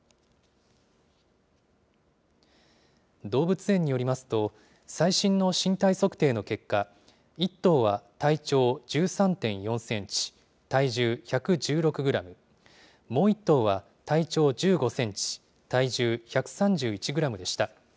動物園によりますと、最新の身体測定の結果、１頭は体長１３．４センチ、体重１１６グラム、もう１頭は体長１５センチ、体重１３１グラムでした。